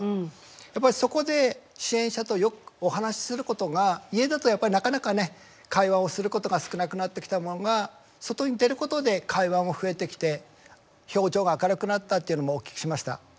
やっぱりそこで支援者とよくお話しすることが家だとやっぱりなかなかね会話をすることが少なくなってきたのが外に出ることで会話も増えてきて表情が明るくなったっていうのもお聞きしました。